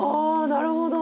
なるほど！